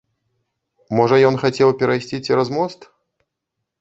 Можа, ён хацеў перайсці цераз мост?